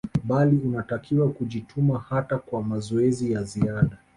bali unatakiwa kujituma hata kwa mazoezi ya ziada